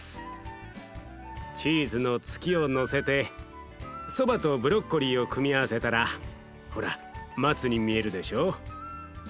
チーズの月をのせてそばとブロッコリーを組み合わせたらほら松に見えるでしょ？